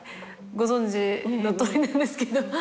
ご存じのとおりなんですけど。